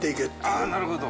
ああ、なるほど。